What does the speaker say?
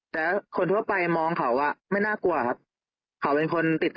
แต่คนทั่วไปมองเขาอ่ะไม่น่ากลัวครับเขาเป็นคนติดต่อ